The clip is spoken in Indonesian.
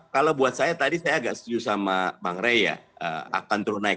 kalau buat saya tadi saya agak setuju sama bang rey ya akan turun naik